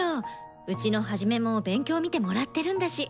うちのハジメも勉強見てもらってるんだし。